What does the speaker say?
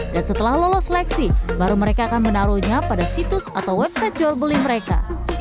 dan setelah lolos seleksi baru mereka akan menaruhnya pada situs atau website jual beli mereka